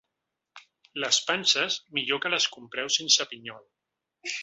Les panses, millor que les compreu sense pinyol.